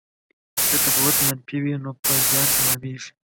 که تفاوت منفي وي نو په زیان تمامیږي.